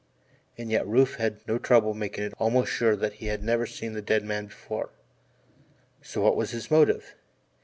And yet Rufe had no trouble making it almost sure that he had never seen the dead man before so what was his motive?